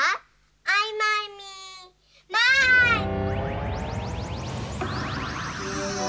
アイマイミーマイン！